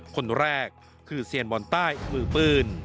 คนแรกคือเซียนบอลใต้มือปืน